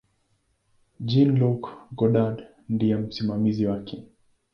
Jean-Luc Godard ndiye msimamizi wake.